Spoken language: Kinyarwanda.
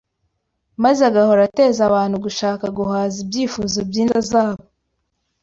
maze agahora ateza abantu gushaka guhaza ibyifuzo by’inda zabo.